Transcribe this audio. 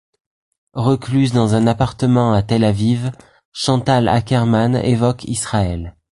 Recluse dans un appartement à Tel Aviv, Chantal Akerman évoque Israël.